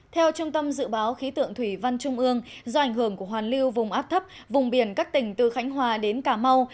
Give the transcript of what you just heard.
theo trung tâm dự báo khí tượng thủy văn trung ương do ảnh hưởng của hoàn lưu vùng áp thấp vùng biển các tỉnh từ khánh hòa đến cà mau